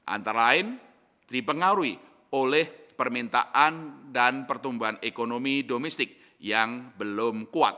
antara lain dipengaruhi oleh permintaan dan pertumbuhan ekonomi domestik yang belum kuat